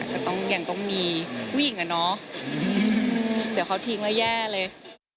ก็ต้องอย่างมีปุ้ยเหมือนกันเนอะเดี๋ยวเค้าทิ้งแล้วแย่เลย